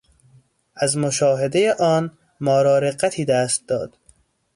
از مشاهدهٔ آن ما را رقتی دست داد.